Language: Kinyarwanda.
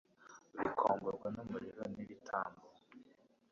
bikongorwa n umuriro n ibitambo